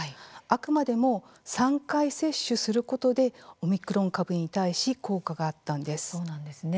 あくまでも３回接種することでオミクロン株に対し効果があったんです。